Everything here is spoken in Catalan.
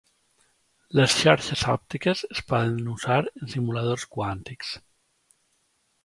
Les xarxes òptiques es poden usar en simuladors quàntics.